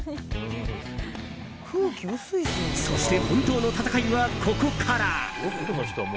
そして、本当の戦いはここから。